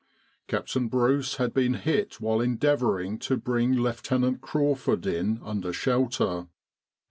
Captain Bruce had been hit while endeavouring to bring Lieutenant Crawford in under shelter.